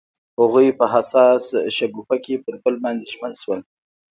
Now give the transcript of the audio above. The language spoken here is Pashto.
هغوی په حساس شګوفه کې پر بل باندې ژمن شول.